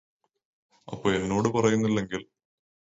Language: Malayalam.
അപ്പോ എന്നോട് പറയുന്നില്ലെങ്കില്